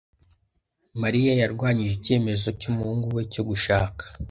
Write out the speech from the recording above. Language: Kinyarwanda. Mariya yarwanyije icyemezo cy'umuhungu we cyo gushaka.